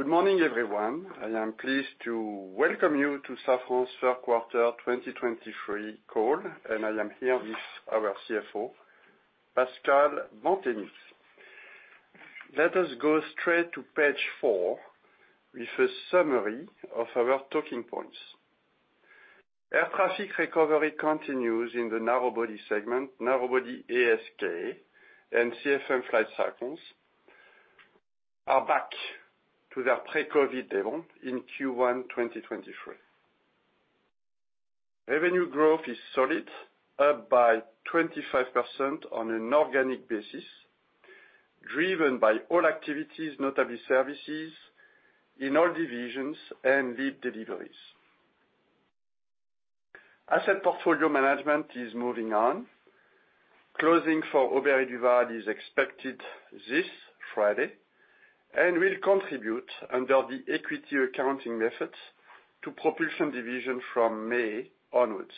Good morning, everyone. I am pleased to welcome you to Safran's third quarter 2023 call. I am here with our CFO, Pascal Bantegnie. Let us go straight to page 4 with a summary of our talking points. Air traffic recovery continues in the narrow body segment. Narrow body ASK and CFM flight cycles are back to their pre-COVID level in Q1 2023. Revenue growth is solid, up by 25% on an organic basis, driven by all activities, notably services in all divisions and LEAP deliveries. Asset portfolio management is moving on. Closing for Aubert & Duval is expected this Friday and will contribute under the equity accounting method to propulsion division from May onwards.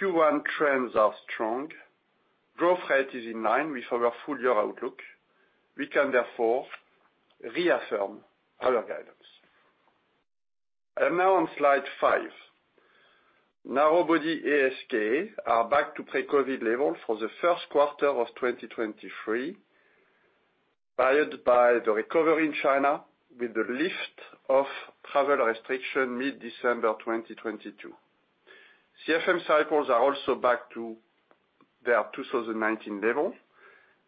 Q1 trends are strong. Growth rate is in line with our full year outlook. We can therefore reaffirm our guidance. Now on slide 5. Narrow-body ASK are back to pre-COVID level for the first quarter of 2023, fired by the recovery in China with the lift of travel restriction mid-December 2022. CFM cycles are also back to their 2019 level.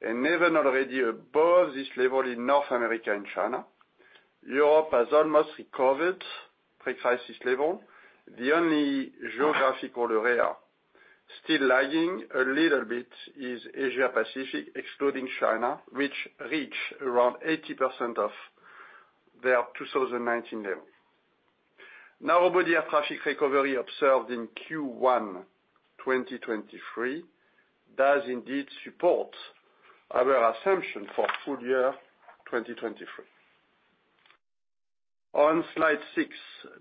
Even already above this level in North America and China. Europe has almost recovered pre-crisis level. The only geographical area still lagging a little bit is Asia-Pacific, excluding China, which reach around 80% of their 2019 level. Narrow-body air traffic recovery observed in Q1 2023 does indeed support our assumption for full year 2023. On slide 6,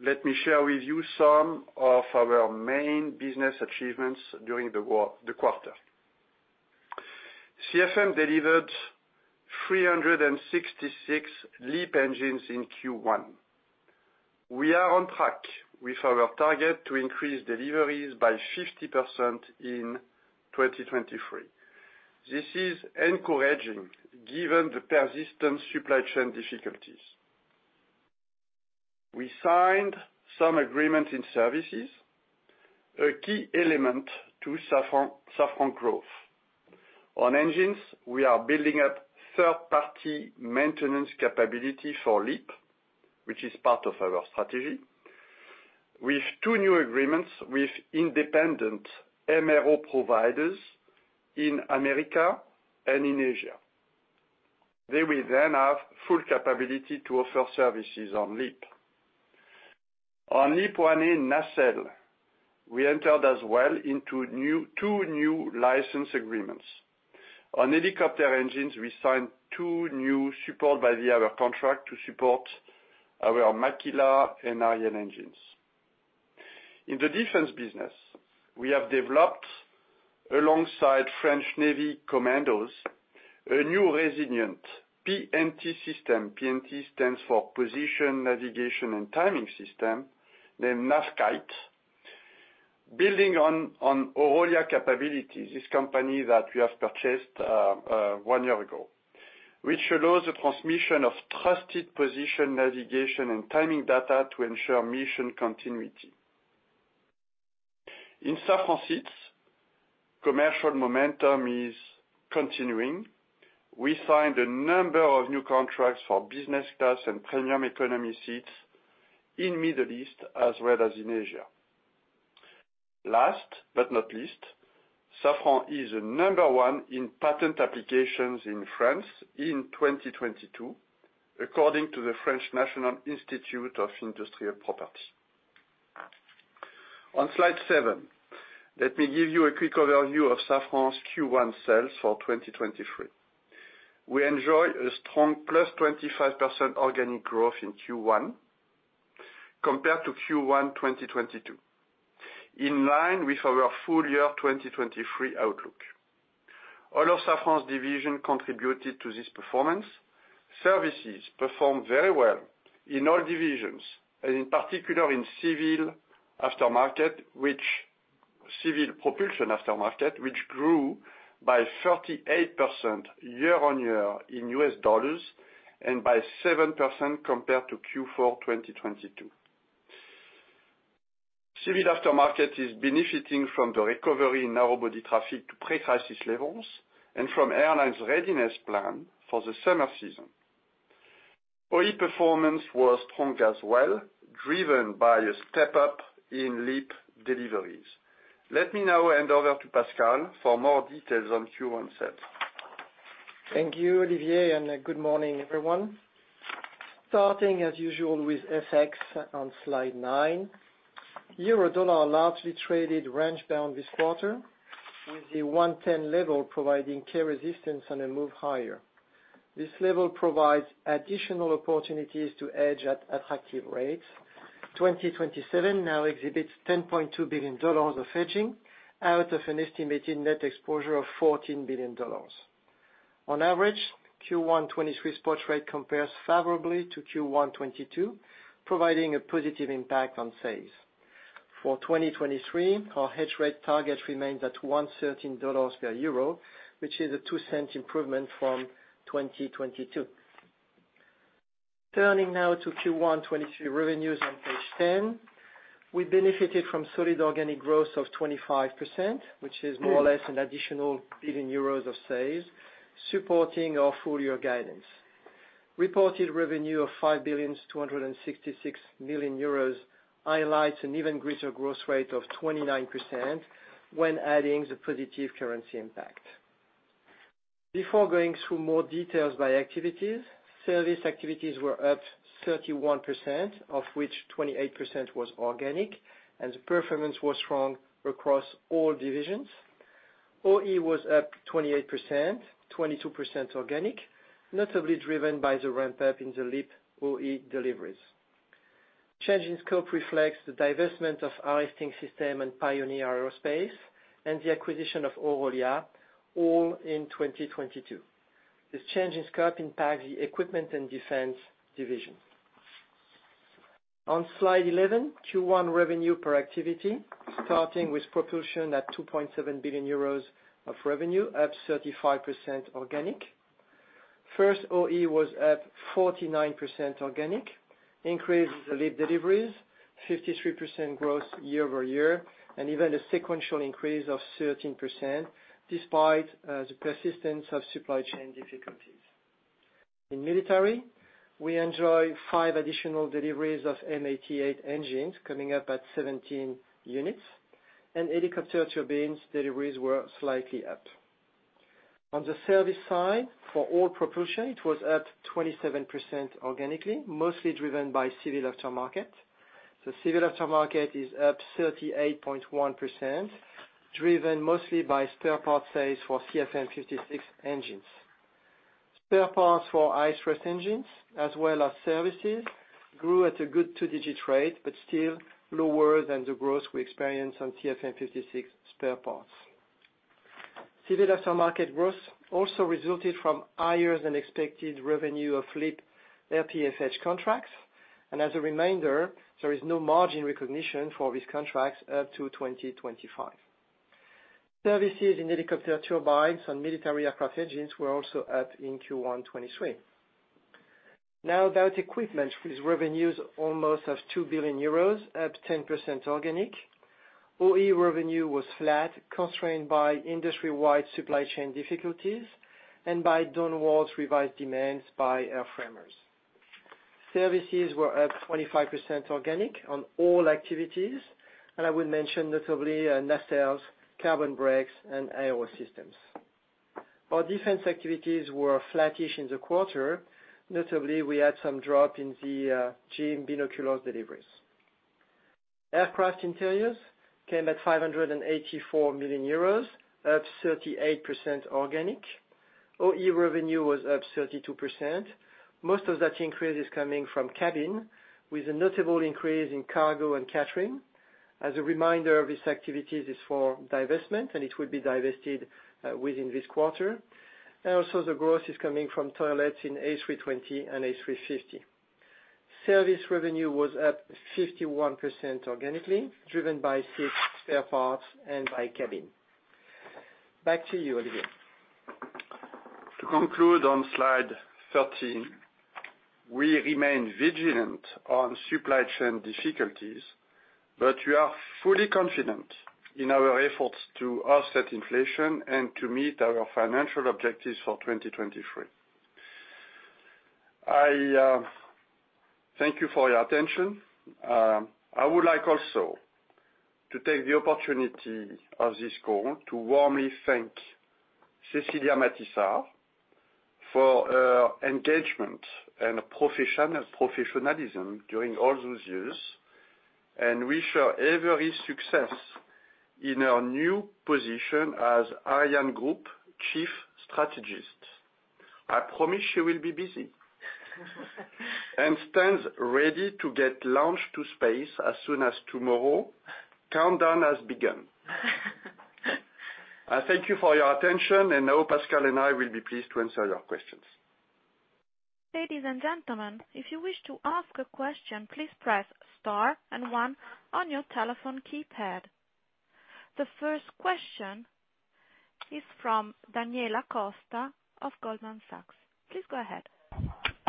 let me share with you some of our main business achievements during the quarter. CFM delivered 366 LEAP engines in Q1. We are on track with our target to increase deliveries by 50% in 2023. This is encouraging given the persistent supply chain difficulties. We signed some agreements in services, a key element to Safran growth. On engines, we are building up third-party maintenance capability for LEAP, which is part of our strategy, with two new agreements with independent MRO providers in America and in Asia. They will then have full capability to offer services on LEAP. On LEAP-1A nacelle, we entered as well into two new license agreements. On helicopter engines, we signed two new support by the other contract to support our Makila and Arrano engines. In the defense business, we have developed alongside French Navy commandos a new resilient PNT system. PNT stands for position, navigation, and timing system named NavKite. Building on Orolia capabilities, this company that we have purchased 1 year ago, which allows the transmission of trusted position, navigation, and timing data to ensure mission continuity. In Safran Seats, commercial momentum is continuing. We signed a number of new contracts for business class and premium economy seats in Middle East as well as in Asia. Last but not least, Safran is the number one in patent applications in France in 2022 according to the French National Institute of Industrial Property. On slide 7, let me give you a quick overview of Safran's Q1 sales for 2023. We enjoy a strong +25% organic growth in Q1 compared to Q1 2022, in line with our full year 2023 outlook. All of Safran's division contributed to this performance. Services performed very well in all divisions, and in particular in civil propulsion aftermarket, which grew by 38% year-over-year in US dollars and by 7% compared to Q4 2022. Civil aftermarket is benefiting from the recovery in narrow-body traffic to pre-crisis levels and from airlines' readiness plan for the summer season. OE performance was strong as well, driven by a step-up in LEAP deliveries. Let me now hand over to Pascal for more details on Q1 sales. Thank you, Olivier. Good morning, everyone. Starting as usual with FX on slide 9. Euro dollar largely traded range-bound this quarter with the 1.10 level providing key resistance on a move higher. This level provides additional opportunities to hedge at attractive rates. 2027 now exhibits $10.2 billion of hedging out of an estimated net exposure of $14 billion. On average, Q1 '23 spot rate compares favorably to Q1 '22, providing a positive impact on sales. For 2023, our hedge rate target remains at $1.13 per EUR, which is a $0.02 improvement from 2022. Turning now to Q1 '23 revenues on page 10. We benefited from solid organic growth of 25%, which is more or less an additional 1 billion euros of sales, supporting our full year guidance. Reported revenue of 5,266 million euros highlights an even greater growth rate of 29% when adding the positive currency impact. Before going through more details by activities, service activities were up 31%, of which 28% was organic. The performance was strong across all divisions. OE was up 28%, 22% organic, notably driven by the ramp up in the LEAP OE deliveries. Change in scope reflects the divestment of Arresting Systems and Pioneer Aerospace and the acquisition of Orolia, all in 2022. This change in scope impacts the equipment and defense division. On slide 11, Q1 revenue per activity, starting with propulsion at 2.7 billion euros of revenue, up 35% organic. First OE was up 49% organic, increases the LEAP deliveries, 53% growth year-over-year and even a sequential increase of 13% despite the persistence of supply chain difficulties. In military, we enjoy 5 additional deliveries of M88 engines coming up at 17 units. Helicopter turbines deliveries were slightly up. On the service side, for all propulsion, it was up 27% organically, mostly driven by civil aftermarket. The civil aftermarket is up 38.1%, driven mostly by spare parts sales for CFM56 engines. Spare parts for ICE 4 engines as well as services grew at a good two-digit rate, still lower than the growth we experienced on CFM56 spare parts. Civil aftermarket growth also resulted from higher than expected revenue of LEAP RPFH contracts. As a reminder, there is no margin recognition for these contracts up to 2025. Services in helicopter turbines and military aircraft engines were also up in Q1 2023. About equipment, whose revenues almost of 2 billion euros, up 10% organic. OE revenue was flat, constrained by industry-wide supply chain difficulties and by downwards revised demands by airframers. Services were up 25% organic on all activities, and I will mention notably nacelles, carbon brakes and AO systems. Our defense activities were flattish in the quarter. Notably, we had some drop in the cabin binocular deliveries. Aircraft interiors came at 584 million euros, up 38% organic. OE revenue was up 32%. Most of that increase is coming from cabin with a notable increase in cargo and catering. As a reminder, this activity is for divestment, and it will be divested within this quarter. Also the growth is coming from toilets in A320 and A350. Service revenue was up 51% organically, driven by six spare parts and by cabin. Back to you, Olivier. To conclude on slide 13, we remain vigilant on supply chain difficulties, but we are fully confident in our efforts to offset inflation and to meet our financial objectives for 2023. I thank you for your attention. I would like also to take the opportunity of this call to warmly thank Cécilia Mattissart for her engagement and professionalism during all those years and wish her every success in her new position as ArianeGroup Chief Strategist. I promise she will be busy and stands ready to get launched to space as soon as tomorrow. Countdown has begun. I thank you for your attention, and now Pascal and I will be pleased to answer your questions. Ladies and gentlemen, if you wish to ask a question, please press star and 1 on your telephone keypad. The first question is from Daniela Costa of Goldman Sachs. Please go ahead.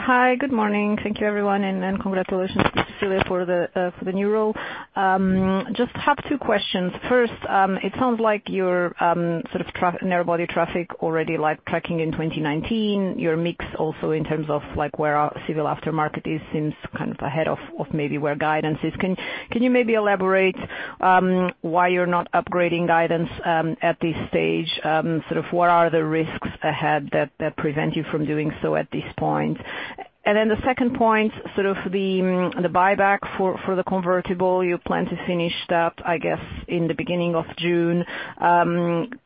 Hi, good morning. Thank you, everyone. Congratulations to Cécilia for the new role. Just have two questions. First, it sounds like your sort of narrow body traffic already like tracking in 2019. Your mix also in terms of like where our civil aftermarket is, seems kind of ahead of maybe where guidance is. Can you maybe elaborate why you're not upgrading guidance at this stage? Sort of what are the risks ahead that prevent you from doing so at this point? The second point, sort of the buyback for the convertible. You plan to finish that, I guess, in the beginning of June.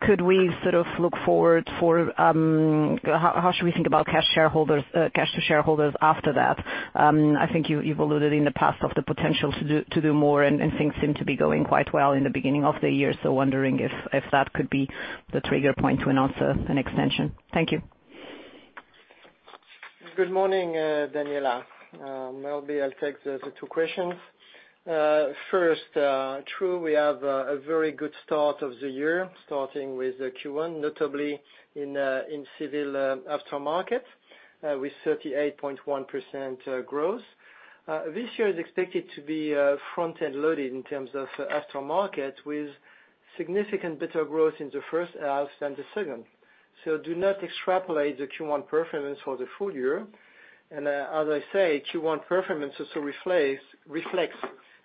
Could we sort of look forward for How should we think about cash shareholders, cash to shareholders after that? I think you've alluded in the past of the potential to do more, and things seem to be going quite well in the beginning of the year. Wondering if that could be the trigger point to announce an extension. Thank you. Good morning, Daniela. Maybe I'll take the two questions. First, true, we have a very good start of the year, starting with Q1, notably in civil aftermarket, with 38.1% growth. This year is expected to be front-end loaded in terms of aftermarket with significant better growth in the first half than the second. Do not extrapolate the Q1 performance for the full year. As I say, Q1 performance also reflects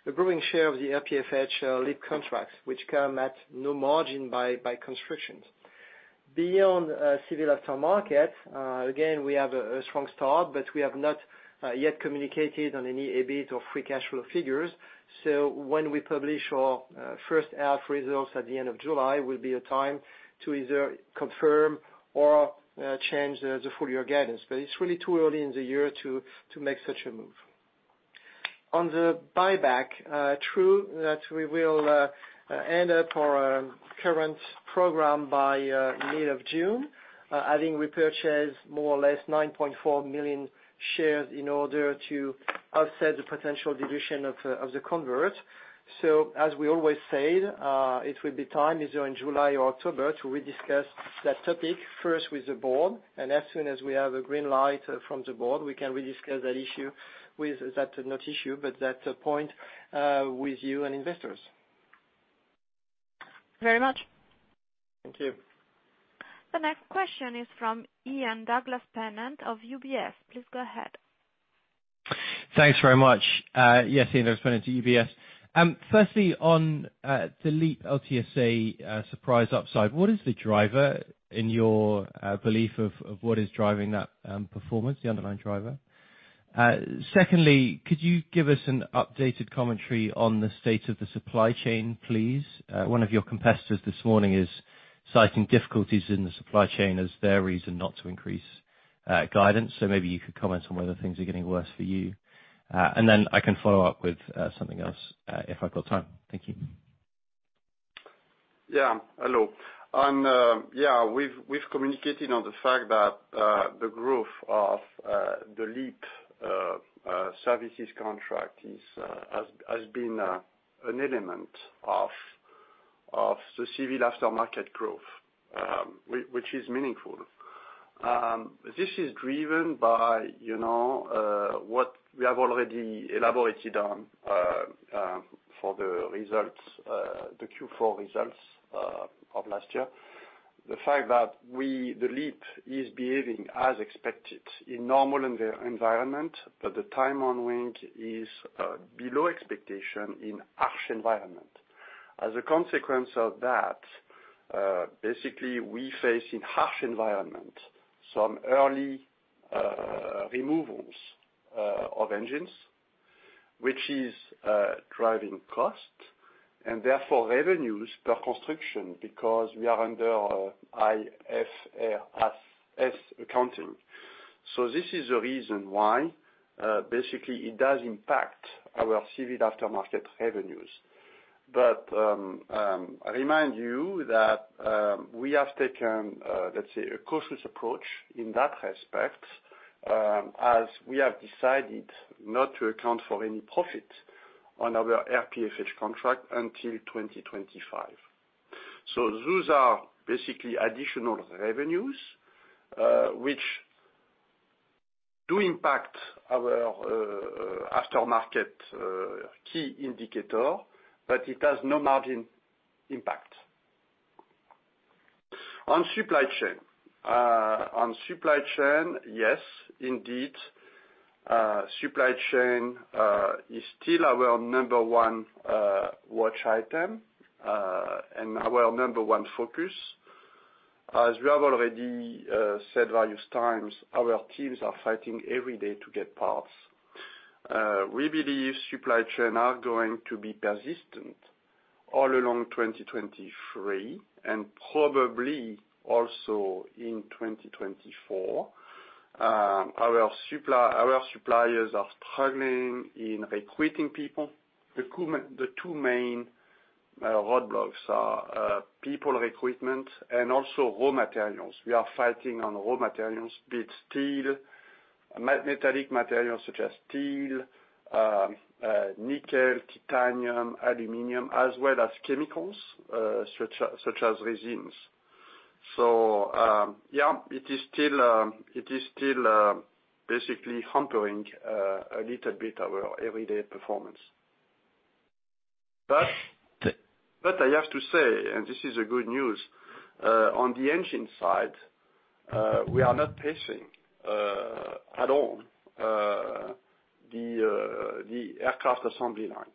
the growing share of the RPFH LEAP contracts, which come at no margin by constructions. Beyond civil aftermarket, again, we have a strong start, we have not yet communicated on any EBIT or free cash flow figures. When we publish our first half results at the end of July will be a time to either confirm or change the full year guidance. It's really too early in the year to make such a move. On the buyback, true that we will end up our current program by mid of June. Having repurchased more or less 9.4 million shares in order to offset the potential dilution of the convert. As we always said, it will be time either in July or October to rediscuss that topic, first with the board, and as soon as we have a green light from the board, we can rediscuss that point with you and investors. Very much. Thank you. The next question is from Ian Douglas-Pennant of UBS. Please go ahead. Thanks very much. Yes, Ian Douglas-Pennant, UBS. Firstly on the LEAP LTSA, surprise upside. What is the driver in your belief of what is driving that performance, the underlying driver? Secondly, could you give us an updated commentary on the state of the supply chain, please? One of your competitors this morning is citing difficulties in the supply chain as their reason not to increase guidance. Maybe you could comment on whether things are getting worse for you. Then I can follow up with something else if I've got time. Thank you. Hello. We've communicated on the fact that the growth of the LEAP services contract is has been an element of the civil aftermarket growth, which is meaningful. This is driven by, you know, what we have already elaborated on for the results, the Q4 results of last year. The fact that we, the LEAP is behaving as expected in normal environment, but the time on wing is below expectation in harsh environment. As a consequence of that, basically we face in harsh environment some early removals of engines, which is driving cost and therefore revenues per construction because we are under IFRS accounting. This is the reason why, basically it does impact our civil aftermarket revenues. I remind you that we have taken, let's say, a cautious approach in that respect, as we have decided not to account for any profit on our RPFH contract until 2025. Those are basically additional revenues, which do impact our aftermarket key indicator, but it has no margin impact. On supply chain. On supply chain, yes, indeed, supply chain is still our number 1 watch item and our number 1 focus. As we have already said various times, our teams are fighting every day to get parts. We believe supply chain are going to be persistent all along 2023 and probably also in 2024. Our supply, our suppliers are struggling in recruiting people. The two main roadblocks are people recruitment and also raw materials. We are fighting on raw materials, be it steel, metallic materials such as steel, nickel, titanium, aluminum, as well as chemicals, such as resins. It is still basically hampering a little bit our everyday performance. I have to say, and this is a good news, on the engine side, we are not pacing at all the aircraft assembly lines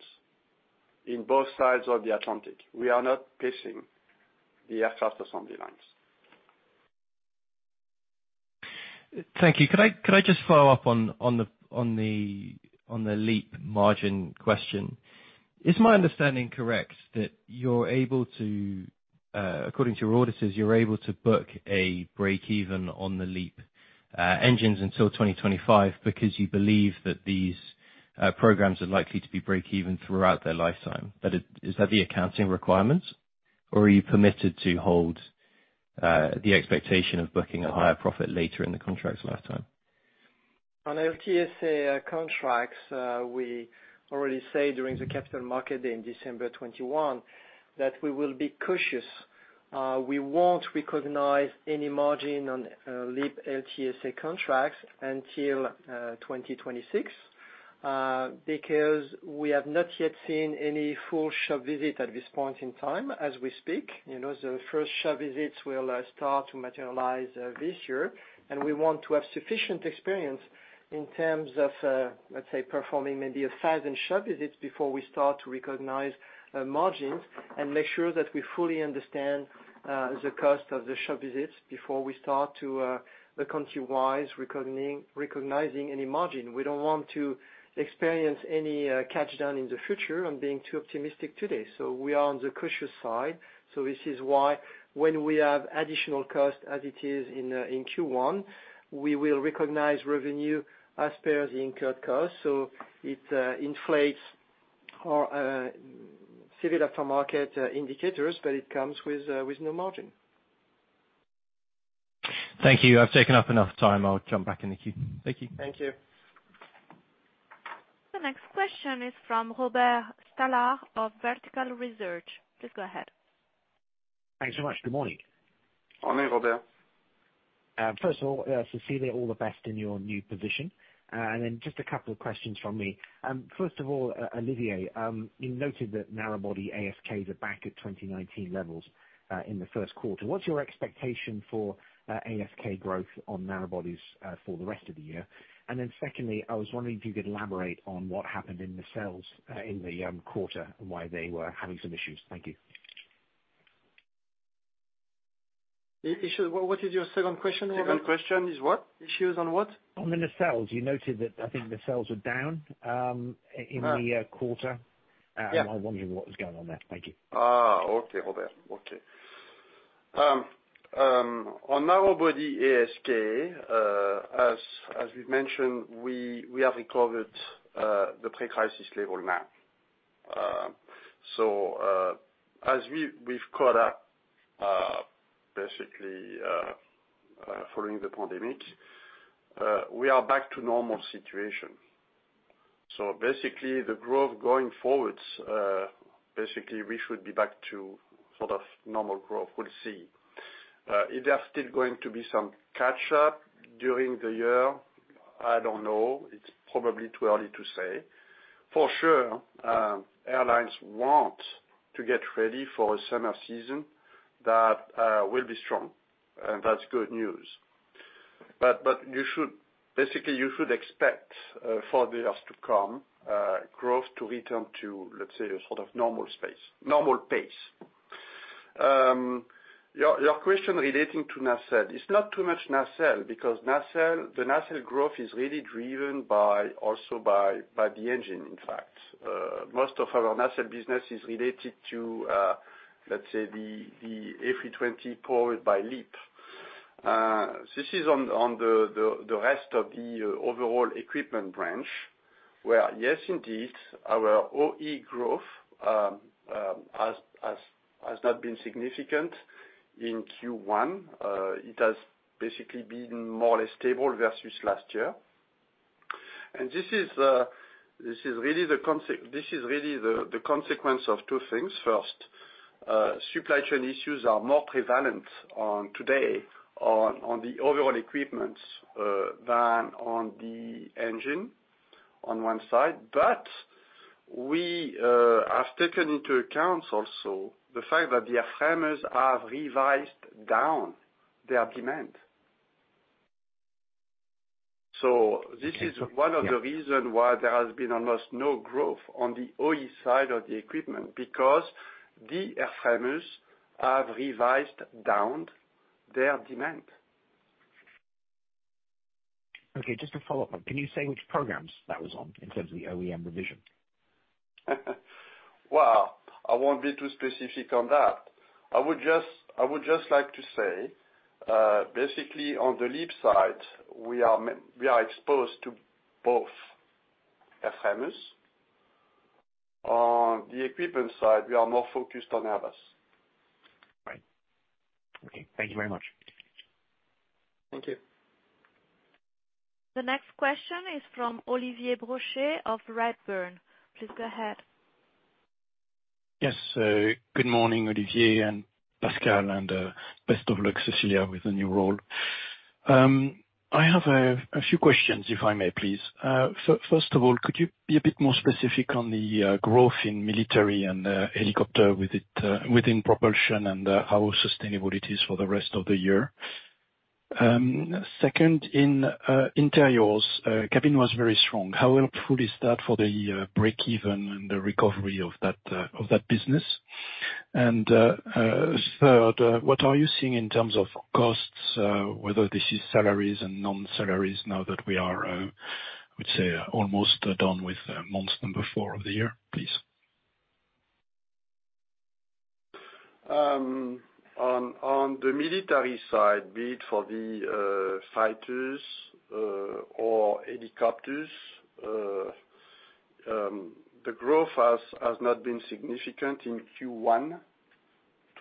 in both sides of the Atlantic, we are not pacing the aircraft assembly lines. Thank you. Could I just follow up on the LEAP margin question? Is my understanding correct that you're able to, according to your auditors, you're able to book a breakeven on the LEAP engines until 2025 because you believe that these programs are likely to be breakeven throughout their lifetime? Is that the accounting requirement? Or are you permitted to hold the expectation of booking a higher profit later in the contract's lifetime? On LTSA contracts, we already say during the capital market day in December 2021 that we will be cautious. We won't recognize any margin on LEAP LTSA contracts until 2026 because we have not yet seen any full shop visit at this point in time as we speak. You know, the first shop visits will start to materialize this year, and we want to have sufficient experience in terms of, let's say, performing maybe 1,000 shop visits before we start to recognize margins and make sure that we fully understand the cost of the shop visits before we start to look country-wise recognizing any margin. We don't want to experience any catch-down in the future on being too optimistic today. We are on the cautious side, so this is why when we have additional costs, as it is in Q1, we will recognize revenue as per the incurred costs. It inflates our civil aftermarket indicators, but it comes with no margin. Thank you. I've taken up enough time. I'll jump back in the queue. Thank you. Thank you. The next question is from Robert Stallard of Vertical Research. Please go ahead. Thanks so much. Good morning. Morning, Robert. First of all, Cecilia, all the best in your new position. Just a couple of questions from me. First of all, Olivier, you noted that narrow body ASKs are back at 2019 levels in the first quarter. What's your expectation for ASK growth on narrow bodies for the rest of the year? Secondly, I was wondering if you could elaborate on what happened in nacelles in the quarter, and why they were having some issues. Thank you. The issue, what is your second question, Robert? Second question is what? Issues on what? On the nacelles. You noted that I think nacelles were down in the quarter. Yeah. I'm wondering what was going on there. Thank you. Okay, Robert. Okay. On narrow body ASK, as we've mentioned, we have recovered the pre-crisis level now. Basically, as we've caught up, basically, following the pandemic, we are back to normal situation. Basically, the growth going forwards, basically we should be back to sort of normal growth. We'll see. If there are still going to be some catch-up during the year, I don't know. It's probably too early to say. For sure, airlines want to get ready for a summer season that will be strong, and that's good news. You should, basically, you should expect for the years to come, growth to return to, let's say, a sort of normal space, normal pace. your question relating to nacelle, it's not too much nacelle because nacelle growth is really driven by the engine, in fact. Most of our nacelle business is related to, let's say the A320 powered by LEAP. This is on the rest of the overall equipment branch, where yes, indeed, our OE growth has not been significant in Q1. It has basically been more or less stable versus last year. This is really the consequence of two things. First, supply chain issues are more prevalent on today on the overall equipments than on the engine on one side. We have taken into account also the fact that the airframers have revised down their demand. This is one of the reason why there has been almost no growth on the OE side of the equipment, because the airframers have revised down their demand. Okay, just to follow up, can you say which programs that was on in terms of the OEM revision? I won't be too specific on that. I would just like to say, basically on the LEAP side we are exposed to both airframers. On the equipment side, we are more focused on Airbus. Right. Okay. Thank you very much. Thank you. The next question is from Olivier Brochet of Redburn. Please go ahead. Yes. good morning, Olivier and Pascal, and best of luck, Cécilia, with the new role. I have a few questions, if I may, please. First of all, could you be a bit more specific on the growth in military and helicopter with it within propulsion and how sustainable it is for the rest of the year? Second, in interiors, cabin was very strong. How helpful is that for the breakeven and the recovery of that business? Third, what are you seeing in terms of costs, whether this is salaries and non-salaries now that we are, I would say, almost done with months number four of the year, please? On the military side, be it for the fighters or helicopters, the growth has not been significant in Q1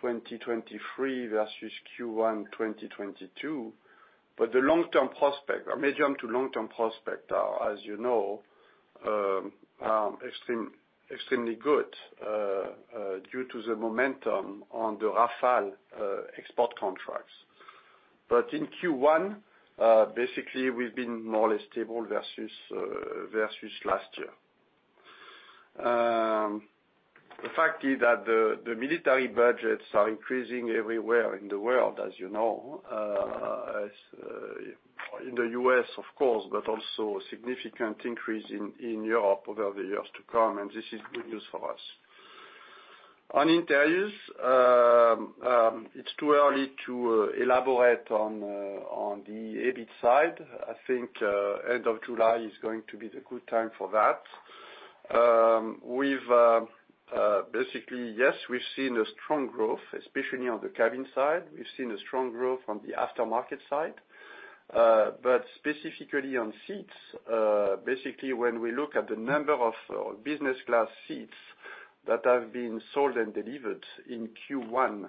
2023 versus Q1 2022. The long-term prospect or medium to long-term prospect are, as you know, extremely good due to the momentum on the Rafale export contracts. In Q1, basically we've been more or less stable versus last year. The fact is that the military budgets are increasing everywhere in the world, as you know, as in the U.S. of course, but also a significant increase in Europe over the years to come. This is good news for us. On interiors, it's too early to elaborate on the EBIT side. I think, end of July is going to be the good time for that. We've, basically yes, we've seen a strong growth, especially on the cabin side. We've seen a strong growth on the aftermarket side. Specifically on seats, basically when we look at the number of business class seats that have been sold and delivered in Q1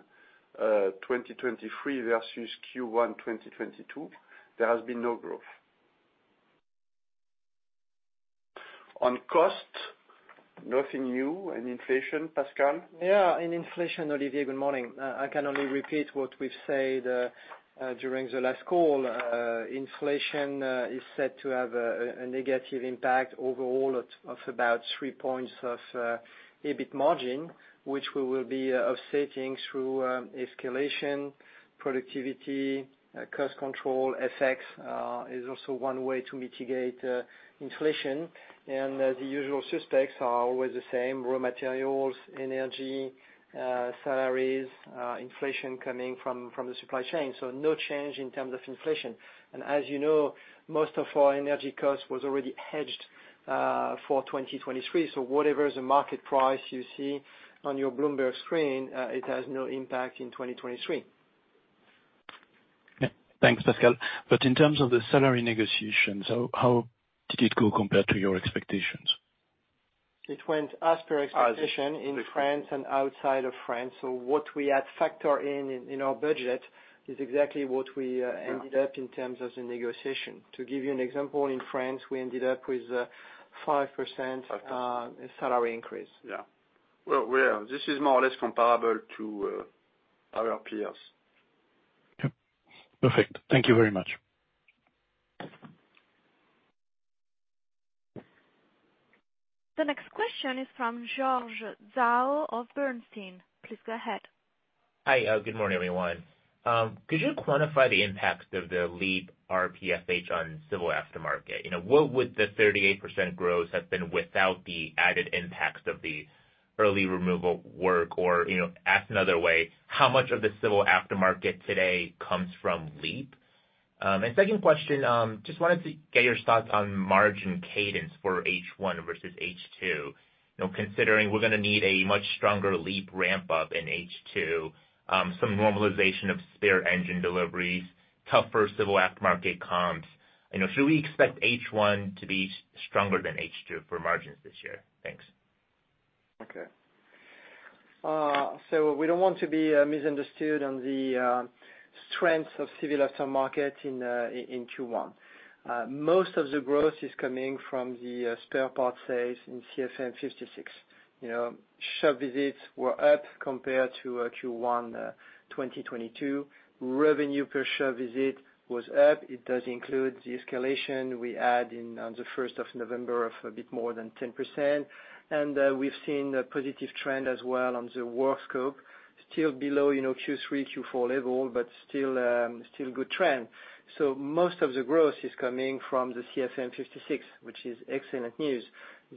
2023 versus Q1 2022, there has been no growth. On cost, nothing new. Inflation, Pascal? Yeah, in inflation, Olivier, good morning. I can only repeat what we've said during the last call. Inflation is set to have a negative impact overall of about three points of EBIT margin, which we will be offsetting through escalation, productivity, cost control. FX is also one way to mitigate inflation. The usual suspects are always the same, raw materials, energy, salaries, inflation coming from the supply chain. No change in terms of inflation. As you know, most of our energy cost was already hedged for 2023. Whatever is the market price you see on your Bloomberg screen, it has no impact in 2023. Yeah. Thanks, Pascal. In terms of the salary negotiations, how did it go compared to your expectations? It went as per expectation in France and outside of France. What we had factored in in our budget is exactly what we ended up in terms of the negotiation. To give you an example, in France, we ended up with 5% salary increase. This is more or less comparable to our peers. Yep. Perfect. Thank you very much. The next question is fromGeorge Zhao of Bernstein. Please go ahead. Hi. Good morning, everyone. Could you quantify the impact of the LEAP RPFH on civil aftermarket? You know, what would the 38% growth have been without the added impact of the early removal work? You know, asked another way, how much of the civil aftermarket today comes from LEAP? Second question, just wanted to get your thoughts on margin cadence for H1 versus H2. You know, considering we're gonna need a much stronger LEAP ramp up in H2, some normalization of spare engine deliveries, tougher civil aftermarket comps, you know, should we expect H1 to be stronger than H2 for margins this year? Thanks. Okay. So we don't want to be misunderstood on the strength of civil aftermarket in Q1. Most of the growth is coming from the spare parts sales in CFM56. You know, shop visits were up compared to Q1 2022. Revenue per shop visit was up. It does include the escalation we had on the 1st of November of a bit more than 10%. We've seen a positive trend as well on the work scope. Still below, you know, Q3, Q4 level, but still good trend. Most of the growth is coming from the CFM56, which is excellent news.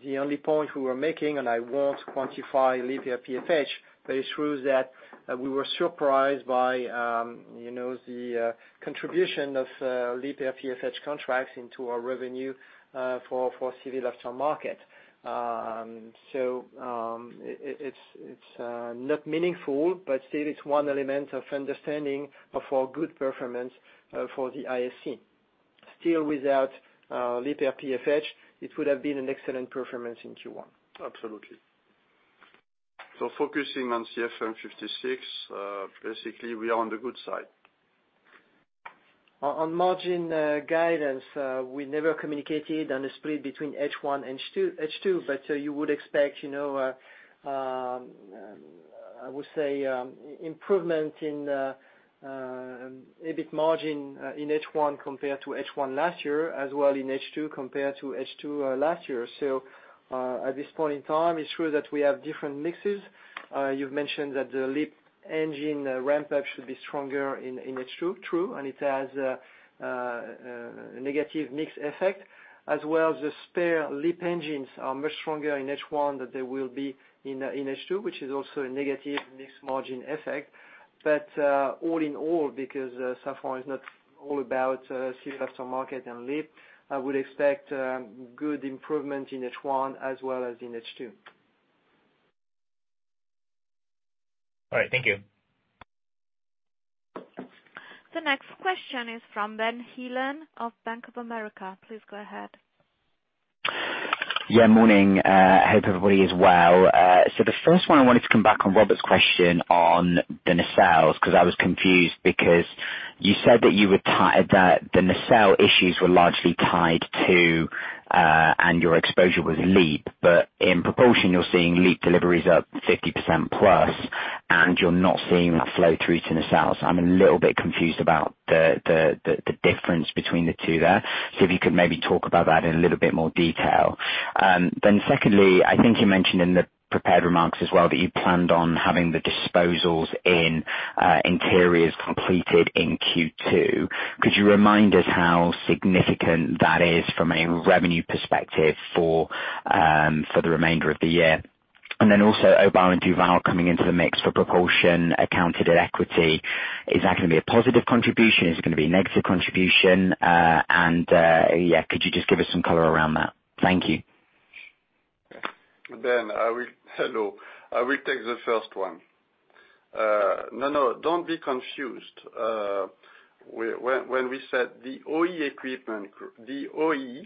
The only point we were making, and I won't quantify LEAP RPFH, but it's true that, we were surprised by, you know, the contribution of LEAP RPFH contracts into our revenue, for civil aftermarket. It's not meaningful, but still it's one element of understanding of our good performance for the ISC. Still without LEAP RPFH, it would have been an excellent performance in Q1. Absolutely. Focusing on CFM56, basically we are on the good side. On margin guidance, we never communicated on the split between H1 and H2. You would expect, you know, I would say, improvement in EBIT margin in H1 compared to H1 last year, as well in H2 compared to H2 last year. At this point in time, it's true that we have different mixes. You've mentioned that the LEAP engine ramp-up should be stronger in H2. True, it has a negative mix effect as well as the spare LEAP engines are much stronger in H1 than they will be in H2, which is also a negative mix margin effect. All in all, because Safran is not all about civil aftermarket and LEAP, I would expect good improvement in H1 as well as in H2. All right. Thank you. The next question is from Ben Heelan of Bank of America. Please go ahead. Yeah, morning. Hope everybody is well. The first one, I wanted to come back on Robert's question on the nacelles, 'cause I was confused because you said that the nacelle issues were largely tied to and your exposure with LEAP. In proportion, you're seeing LEAP deliveries up 50% plus, and you're not seeing the flow through to nacelles. I'm a little bit confused about the difference between the two there. If you could maybe talk about that in a little bit more detail. Secondly, I think you mentioned in the prepared remarks as well that you planned on having the disposals in interiors completed in Q2. Could you remind us how significant that is from a revenue perspective for the remainder of the year? Also Aubert & Duval coming into the mix for propulsion accounted at equity, is that gonna be a positive contribution? Is it gonna be a negative contribution? Could you just give us some color around that? Thank you. Ben, Hello. I will take the first one. No, no, don't be confused. When we said the OE equipment, the OE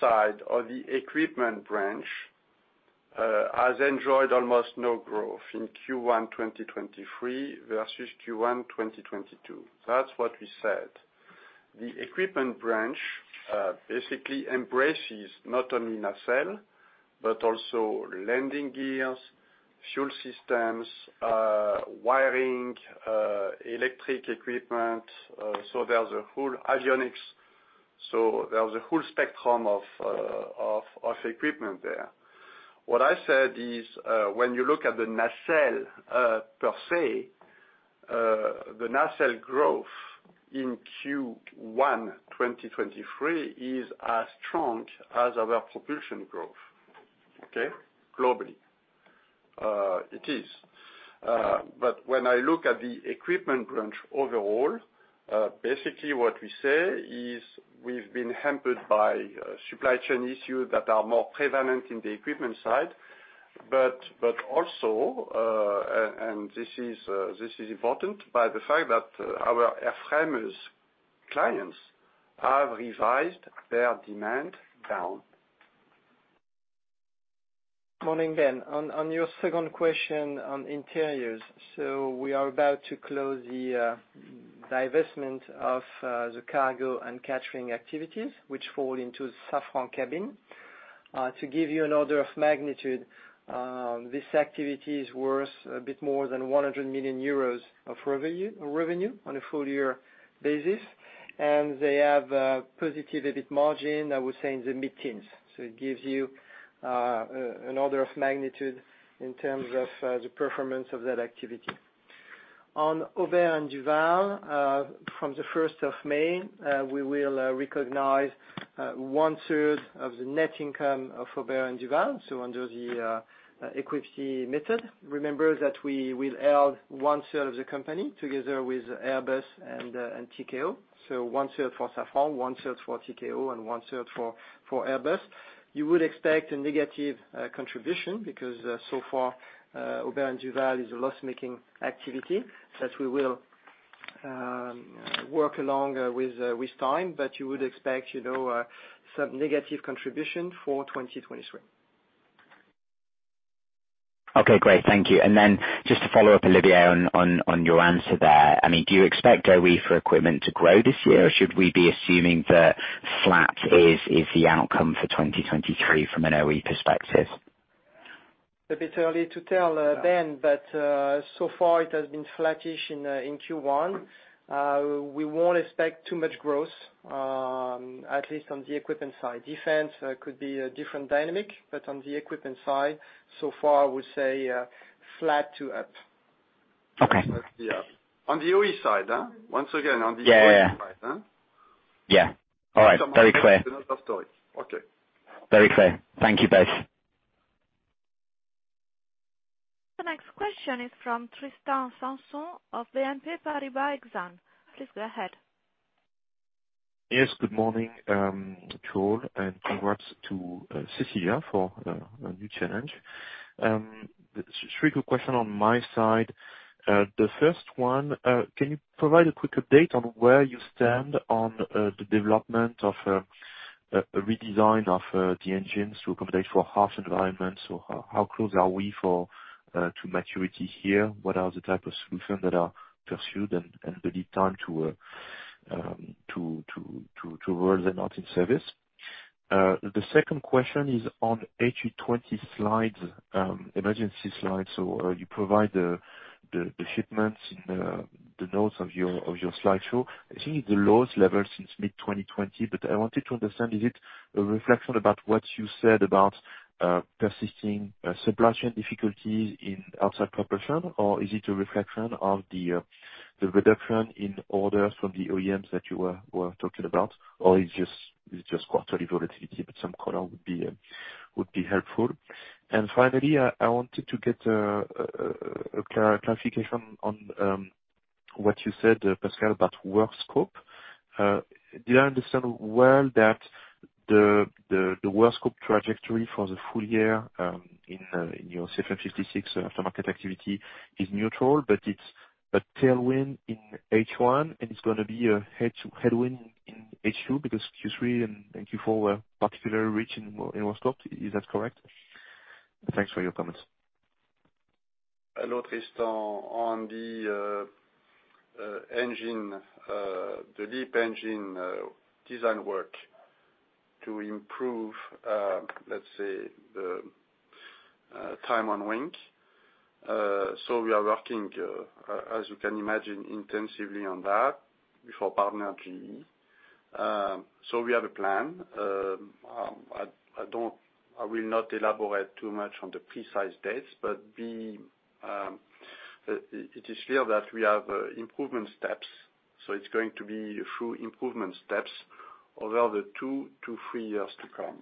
side or the equipment branch has enjoyed almost no growth in Q1 2023 versus Q1 2022. That's what we said. The equipment branch basically embraces not only nacelle but also landing gears, fuel systems, wiring, electric equipment. So there's a whole avionics. There's a whole spectrum of equipment there. What I said is, when you look at the nacelle per se, the nacelle growth in Q1 2023 is as strong as our propulsion growth. Okay? Globally. It is. When I look at the equipment branch overall, basically what we say is we've been hampered by supply chain issues that are more prevalent in the equipment side. Also, and this is important, by the fact that our airframers clients have revised their demand down. Morning, Ben. On your second question on interiors, we are about to close the divestment of the cargo and catering activities which fall into Safran Cabin. To give you an order of magnitude, this activity is worth a bit more than 100 million euros of revenue on a full year basis, and they have a positive EBIT margin, I would say, in the mid-teens. It gives you an order of magnitude in terms of the performance of that activity. On Aubert & Duval, from the first of May, we will recognize one-third of the net income of Aubert & Duval under the equity method. Remember that we will own one-third of the company together with Airbus and Tikehau Capital. One-third for Safran, one-third for Tikehau and one-third for Airbus. You would expect a negative contribution because so far Aubert & Duval is a loss-making activity that we will work along with time, but you would expect some negative contribution for 2023. Okay. Great. Thank you. Then just to follow up, Olivier, on your answer there. I mean, do you expect OE for equipment to grow this year? Or should we be assuming that flat is the outcome for 2023 from an OE perspective? A bit early to tell, Ben, but so far it has been flattish in Q1. We won't expect too much growth, at least on the equipment side. Defense could be a different dynamic, but on the equipment side, so far I would say flat to up. Okay. Flat to up. On the OE side, huh? Once again, on the OE side, huh? Yeah. Yeah. Yeah. All right. Very clear. Okay. Very clear. Thank you both. The next question is from Tristan Sanson of BNP Paribas Exane. Please go ahead. Yes, good morning to all, congrats to Cécilia for a new challenge. 3 quick question on my side. The first one, can you provide a quick update on where you stand on the development of a redesign of the engines to accommodate for HALE environments? How close are we for to maturity here? What are the type of solution that are pursued and the lead time to roll them out in service? The second question is on HEA20 slides, emergency slides. You provide the shipments in the notes of your slideshow. I think it's the lowest level since mid 2020, but I wanted to understand, is it a reflection about what you said about persisting supply chain difficulties in outside propulsion? Or is it a reflection of the reduction in orders from the OEMs that you were talking about? Or it's just quarterly volatility, but some color would be helpful. Finally, I wanted to get a clarification on what you said, Pascal, about work scope. Do I understand well that the work scope trajectory for the full year in your CFM56 aftermarket activity is neutral, but it's a tailwind in H1 and it's gonna be a headwind in H2 because Q3 and Q4 were particularly rich in work scope. Is that correct? Thanks for your comments. Hello, Tristan. On the engine, the LEAP engine, design work to improve, let's say the time on wing. We are working, as you can imagine, intensively on that with our partner GE. We have a plan. I will not elaborate too much on the precise dates, but it is clear that we have improvement steps. It's going to be through improvement steps over the 2 to 3 years to come.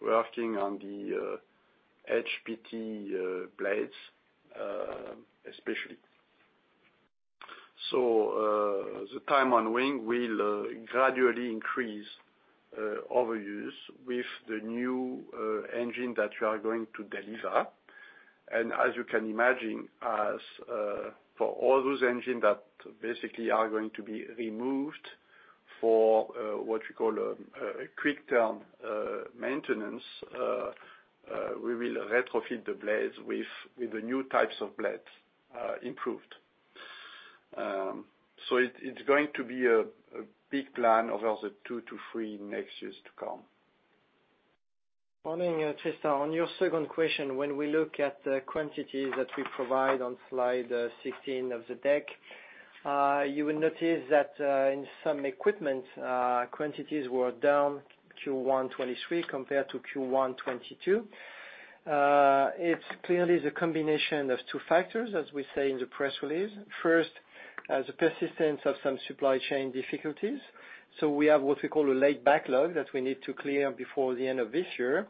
We're working on the HPT blades, especially. The time on wing will gradually increase over years with the new engine that we are going to deliver. As you can imagine, for all those engines that basically are going to be removed for what you call a quick turn maintenance, we will retrofit the blades with the new types of blades, improved. It's going to be a big plan over the two to three next years to come. Morning, Tristan. On your second question, when we look at the quantities that we provide on slide 16 of the deck, you will notice that in some equipment, quantities were down Q1 2023 compared to Q1 2022. It's clearly the combination of 2 factors, as we say in the press release. First, the persistence of some supply chain difficulties. We have what we call a late backlog that we need to clear before the end of this year.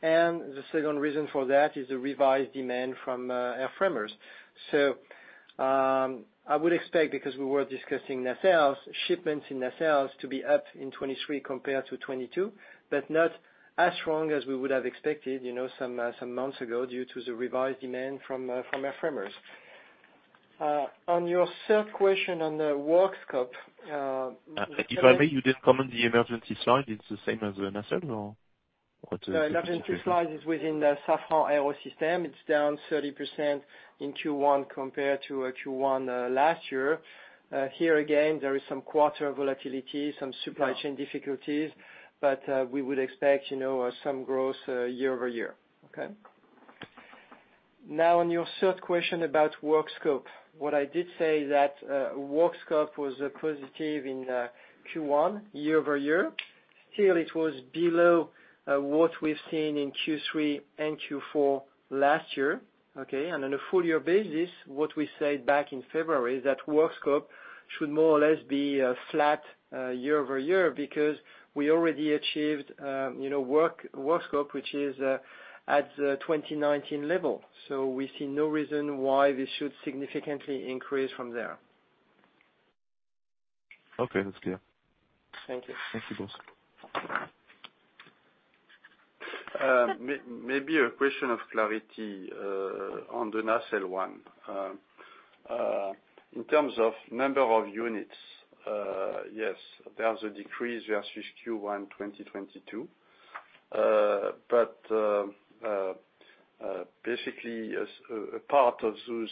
The second reason for that is the revised demand from airframers. I would expect, because we were discussing nacelles, shipments in nacelles to be up in 2023 compared to 2022, but not as strong as we would have expected, you know, some months ago, due to the revised demand from airframers. On your third question on the work scope. If I may, you didn't comment the emergency slide. It's the same as the nacelle or what is the situation? The emergency slide is within the Safran Aerosystems. It's down 30% in Q1 compared to Q1 last year. Here again, there is some quarter volatility, some supply chain difficulties, we would expect, you know, some growth year-over-year. Okay? On your third question about work scope, what I did say that work scope was positive in Q1 year-over-year. It was below what we've seen in Q3 and Q4 last year, okay? On a full year basis, what we said back in February is that work scope should more or less be flat year-over-year because we already achieved, you know, work scope, which is at the 2019 level. We see no reason why this should significantly increase from there. Okay, that's clear. Thank you. Thank you both. Maybe a question of clarity on the nacelle one. In terms of number of units, yes, there's a decrease versus Q1 2022. Basically as a part of those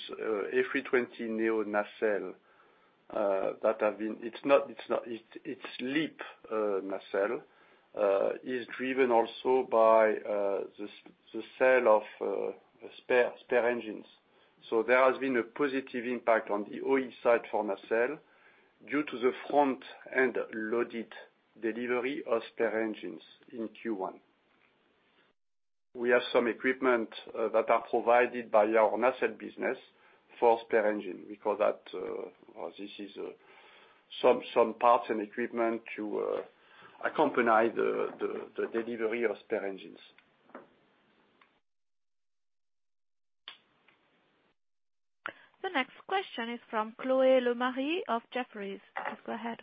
A320neo nacelle, it's LEAP nacelle is driven also by the sale of spare engines. There has been a positive impact on the OE side for nacelle due to the front and loaded delivery of spare engines in Q1. We have some equipment that are provided by our nacelle business for spare engine. We call that this is some parts and equipment to accompany the delivery of spare engines. The next question is fromChloé Lemarié of Jefferies. Please go ahead.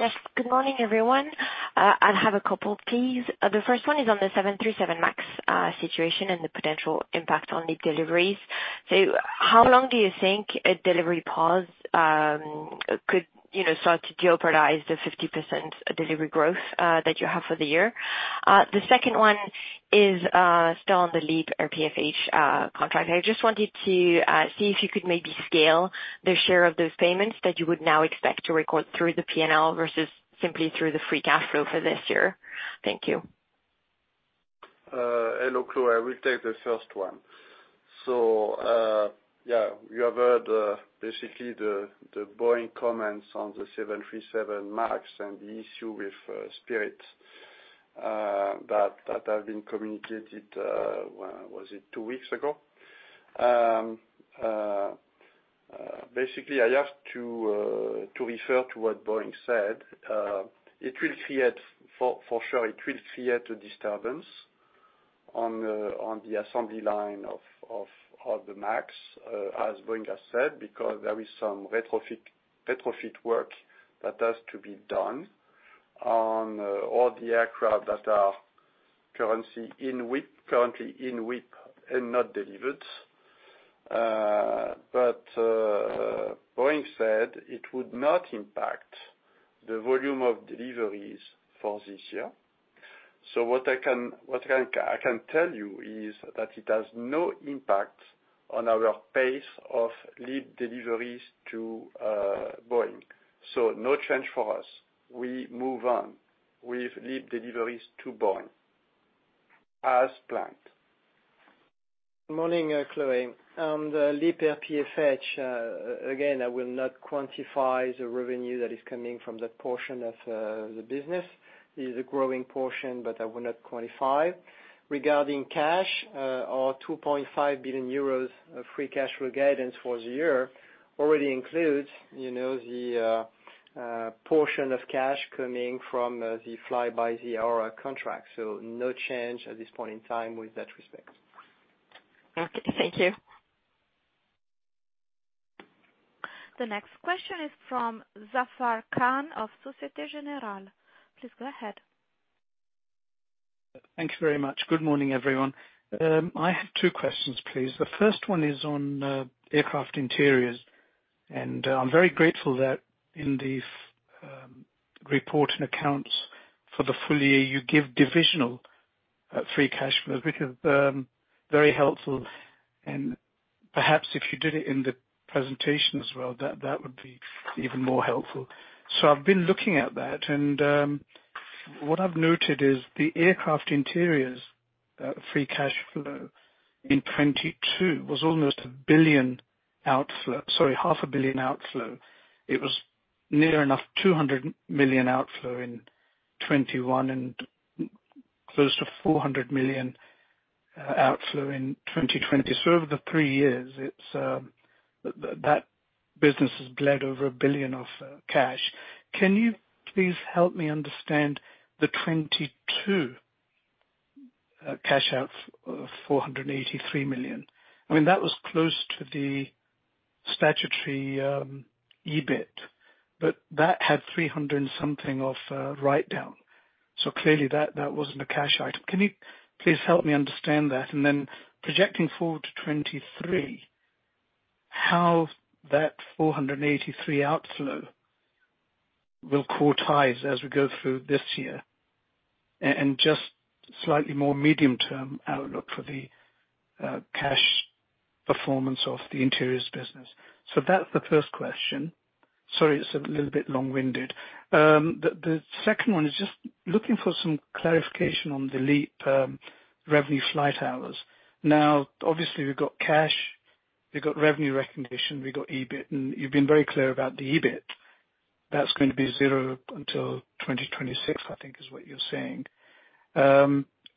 Yes. Good morning, everyone. I'll have a couple, please. The first one is on the 737 MAX situation and the potential impact on the deliveries. How long do you think a delivery pause could, you know, start to jeopardize the 50% delivery growth that you have for the year? The second one is still on the LEAP RPFH contract. I just wanted to see if you could maybe scale the share of those payments that you would now expect to record through the PNL versus simply through the free cash flow for this year. Thank you. Hello, Chloe. I will take the first one. Yeah, you have heard basically the Boeing comments on the 737 MAX and the issue with Spirit that have been communicated, was it 2 weeks ago? Basically, I asked to refer to what Boeing said. It will create for sure, it will create a disturbance on the assembly line of the MAX, as Boeing has said, because there is some retrofit work that has to be done on all the aircraft that are currently in WIP and not delivered. Boeing said it would not impact the volume of deliveries for this year. What I can tell you is that it has no impact on our pace of LEAP deliveries to Boeing. No change for us. We move on with LEAP deliveries to Boeing as planned. Morning, Chloé. On the LEAP RPFH, again, I will not quantify the revenue that is coming from that portion of the business. It is a growing portion, but I will not quantify. Regarding cash, our 2.5 billion euros of free cash flow guidance for the year already includes, you know, the portion of cash coming from the fly-by-the-hour contract. No change at this point in time with that respect. Okay, thank you. The next question is from Zafar Khan of Societe Generale. Please go ahead. Thank you very much. Good morning, everyone. I have 2 questions please. The first one is on aircraft interiors. I'm very grateful that in the report and accounts for the full year, you give divisional free cash flow, which is very helpful. Perhaps if you did it in the presentation as well, that would be even more helpful. I've been looking at that and what I've noted is the aircraft interiors free cash flow in 2022 was almost 1 billion outflow. Sorry, half a billion EUR outflow. It was near enough 200 million outflow in 2021 and close to 400 million outflow in 2020. Over the 3 years, that business has bled over 1 billion of cash. Can you please help me understand the 2022 cash out of 483 million? I mean, that was close to the statutory EBIT, but that had 300 and something of write down. Clearly that wasn't a cash item. Can you please help me understand that? Then projecting forward to 2023, how that 483 outflow will quartile as we go through this year? Just slightly more medium term outlook for the cash performance of the interiors business. That's the first question. Sorry, it's a little bit long-winded. The second one is just looking for some clarification on the LEAP revenue flight hours. Obviously we've got cash, we've got revenue recognition, we've got EBIT, and you've been very clear about the EBIT. That's going to be zero until 2026, I think is what you're saying.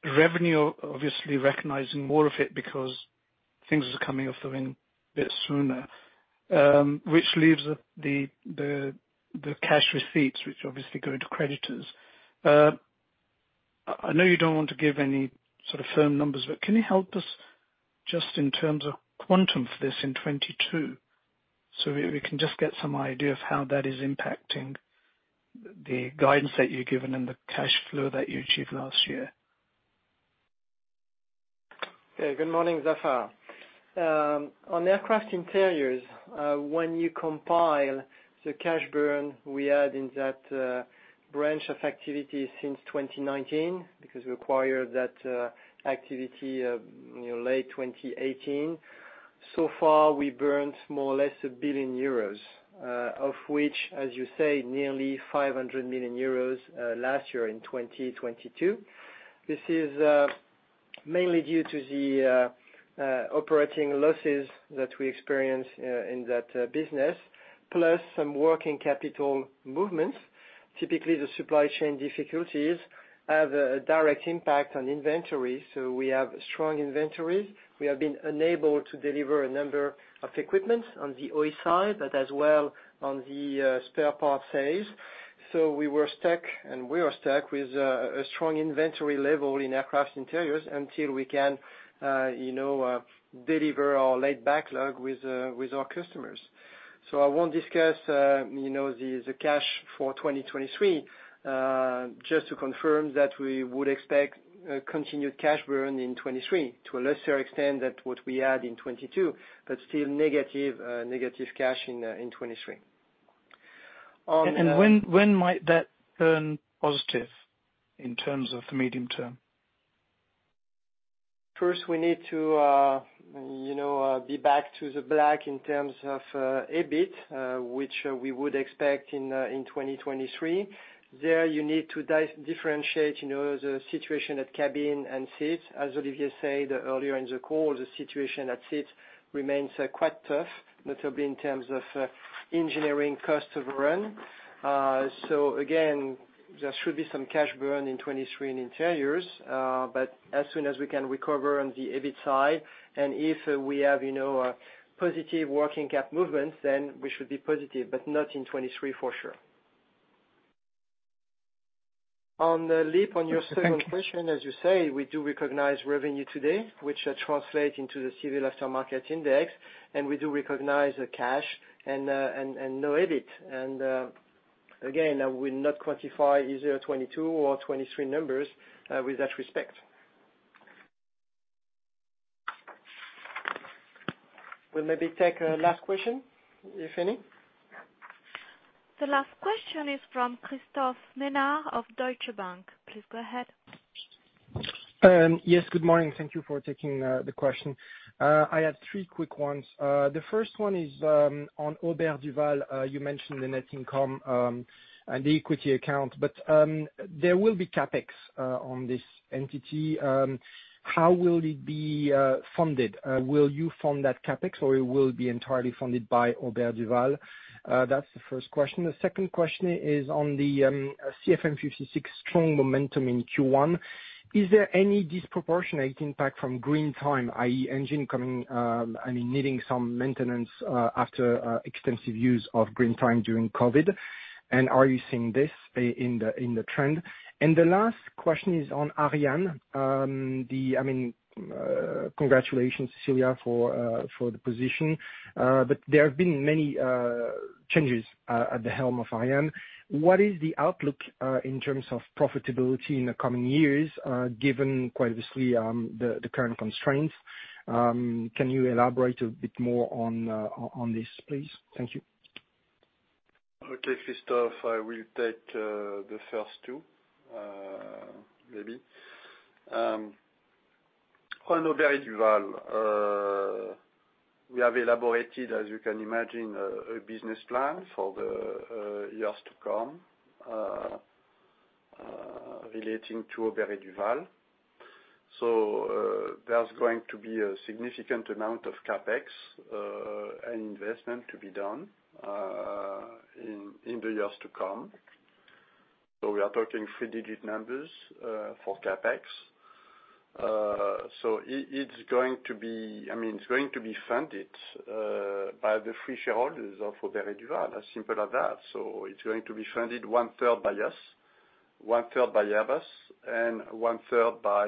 Revenue, obviously recognizing more of it because things are coming off the wind a bit sooner, which leaves the, the cash receipts, which obviously go to creditors. I know you don't want to give any sort of firm numbers, but can you help us just in terms of quantum for this in 2022 so we can just get some idea of how that is impacting the guidance that you've given and the cash flow that you achieved last year? Good morning, Zafar. On aircraft interiors, when you compile the cash burn we had in that branch of activity since 2019, because we acquired that activity, you know, late 2018. Far, we burnt more or less 1 billion euros, of which, as you say, nearly 500 million euros last year in 2022. This is mainly due to the operating losses that we experienced in that business, plus some working capital movements. Typically, the supply chain difficulties have a direct impact on inventory, so we have strong inventory. We have been unable to deliver a number of equipments on the OE side, but as well on the spare part sales. We were stuck, and we are stuck with a strong inventory level in aircraft interiors until we can, you know, deliver our late backlog with our customers. I won't discuss, you know, the cash for 2023. Just to confirm that we would expect a continued cash burn in '23 to a lesser extent that what we had in '22, but still negative cash in '23. When might that turn positive in terms of the medium term? First, we need to, you know, be back to the black in terms of EBIT, which we would expect in 2023. There you need to differentiate, you know, the situation at Cabin and seats. As Olivier said earlier in the call, the situation at seats remains quite tough, notably in terms of engineering cost of run. Again, there should be some cash burn in 2023 in interiors. As soon as we can recover on the EBIT side, and if, we have, you know, a positive working cap movement, then we should be positive, but not in 2023 for sure. On the LEAP, on your second question, as you say, we do recognize revenue today, which translate into the Civil Aerospace market index, and we do recognize the cash and no EBIT. Again, I will not quantify either 2022 or 2023 numbers with that respect. We'll maybe take a last question, if any. The last question is from Christophe Menard of Deutsche Bank. Please go ahead. Yes, good morning. Thank you for taking the question. I had 3 quick ones. The first one is on Aubert & Duval. You mentioned the net income and the equity account, there will be CapEx on this entity. How will it be funded? Will you fund that CapEx, or it will be entirely funded by Aubert & Duval? That's the first question. The second question is on the CFM56 strong momentum in Q1. Is there any disproportionate impact from green time, i.e. engine coming, I mean, needing some maintenance after extensive use of green time during COVID? Are you seeing this in the trend? The last question is on Ariane. I mean, congratulations, Cécilia Matissart, for the position. There have been many changes at the helm of Ariane. What is the outlook in terms of profitability in the coming years, given quite obviously, the current constraints? Can you elaborate a bit more on this, please? Thank you. Christophe, I will take the first two, maybe. On Aubert & Duval, we have elaborated, as you can imagine, a business plan for the years to come, relating to Aubert & Duval. There's going to be a significant amount of CapEx and investment to be done in the years to come. We are talking 3-digit numbers for CapEx. I mean, it's going to be funded by the 3 shareholders of Aubert & Duval, as simple as that. It's going to be funded one-third by us, one-third by Airbus, and one-third by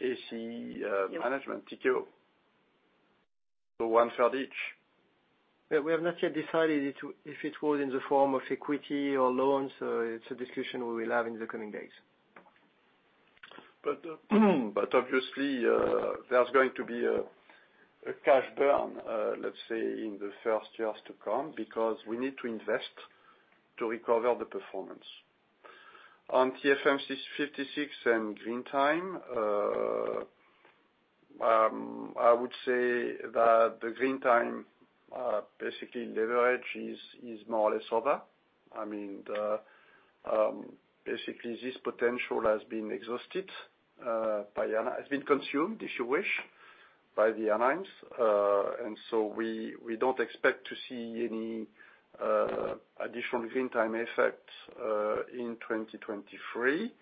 AC management, TQ. One-third each. Yeah. We have not yet decided it, if it was in the form of equity or loans. It's a discussion we will have in the coming days. Obviously, there's going to be a cash burn, let's say, in the first years to come because we need to invest to recover the performance. On CFM56 and green time, I would say that the green time basically leverage is more or less over. I mean, the basically this potential has been exhausted, has been consumed, if you wish, by the airlines. We don't expect to see any additional green time effect in 2023.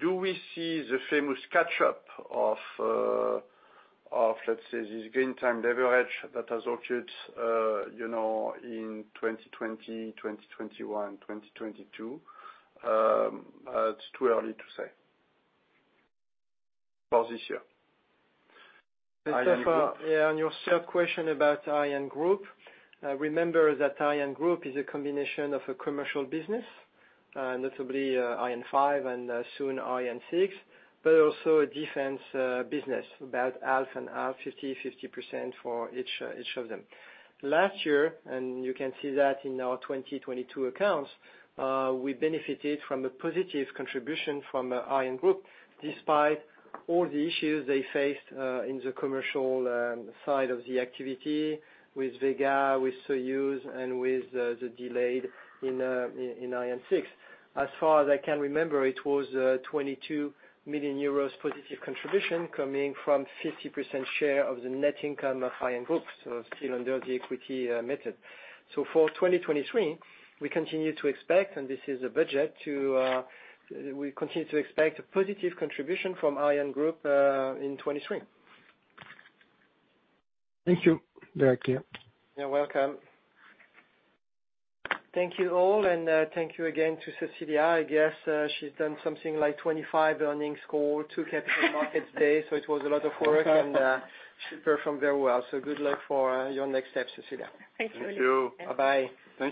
Do we see the famous catch-up of, let's say, this green time leverage that has occurred, you know, in 2020, 2021, 2022? It's too early to say for this year. ArianeGroup. Christophe, yeah, on your third question about ArianeGroup, remember that ArianeGroup is a combination of a commercial business, notably Ariane 5 and soon Ariane 6, but also a defense business, about half and half, 50/50% for each of them. Last year, you can see that in our 2022 accounts, we benefited from a positive contribution from ArianeGroup, despite all the issues they faced in the commercial side of the activity with Vega, with Soyuz, and with the delayed in Ariane 6. As far as I can remember, it was 22 million euros positive contribution coming from 50% share of the net income of ArianeGroup, still under the equity accounting method. For 2023, we continue to expect, this is a budget to... We continue to expect a positive contribution from ArianeGroup, in 2023. Thank you. Very clear. You're welcome. Thank you all, and thank you again to Cecilia. I guess she's done something like 25 earnings call, 2 capital markets day. It was a lot of work, and she performed very well. Good luck for your next step, Cecilia. Thanks, Olivier. Thank you. Bye-bye. Thank you.